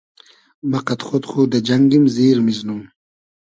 مۂ قئد خۉد خو دۂ جئنگیم زیر میزنوم